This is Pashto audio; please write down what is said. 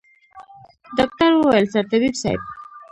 ډاکتر وويل سرطبيب صايب.